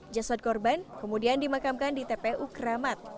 jasad korban kemudian dimakamkan di tpu keramat